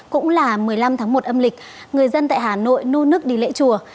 cũng là một mươi năm tháng một âm lịch người dân tại hà nội nô nức đi lễ chùa